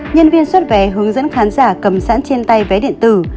nhân viên xuất vé hướng dẫn khán giả cầm sẵn trên tay vé điện tử